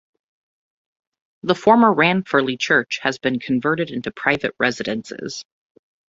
The former Ranfurly Church has been converted into private residences.